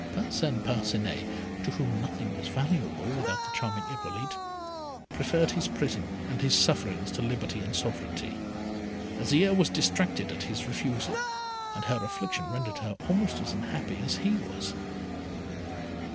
Parcin Parcinet, to whom nothing was valuable without the charming Irolite, preferred his prison and his sufferings to liberty and sovereignty. Azire was distracted at his refusal, and her affliction rendered her almost as unhappy as he was.